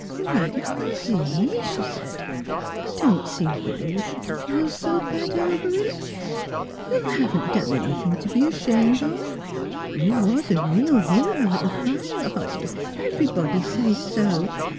" Why, Hoddy," she said, " I don't see why you should feel so bad over it. You haven't done anything to be ashamed of. You was a real hero at the fire, Hoddy. Everybody says so.